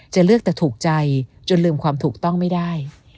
จะเลือกแต่ถูกใจจนลืมความถูกต้องไม่ได้